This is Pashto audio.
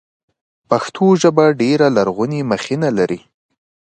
پښتو ژبه ډېره لرغونې مخینه لري.